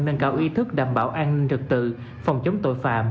nâng cao ý thức đảm bảo an ninh trật tự phòng chống tội phạm